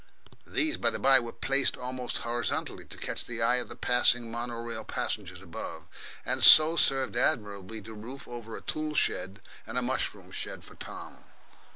These, by the bye, were placed almost horizontally to catch the eye of the passing mono rail passengers above, and so served admirably to roof over a tool shed and a mushroom shed for Tom.